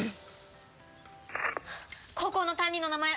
高校の担任の名前！